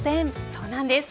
そうなんです。